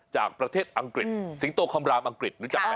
จากประเทศอังกฤษสิงโตคำรามอังกฤษรู้จักไหม